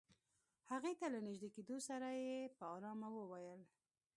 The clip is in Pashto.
هغې ته له نژدې کېدو سره يې په آرامه وويل.